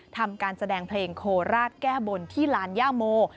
ทำการแสดงเพลงโคราชแก้บนที่ลานย่าโม